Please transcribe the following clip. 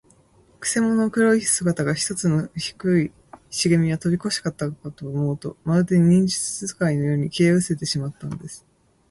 くせ者の黒い姿が、ひとつの低いしげみをとびこしたかと思うと、まるで、忍術使いのように、消えうせてしまったのです。